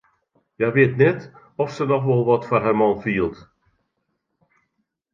Hja wit net oft se noch wol wat foar har man fielt.